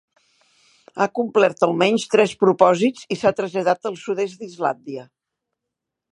Ha complert almenys tres propòsits i s'ha traslladat al sud-est d'Islàndia.